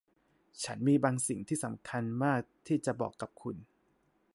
ฉันมีบางสิ่งที่สำคัญมากที่จะบอกกับคุณ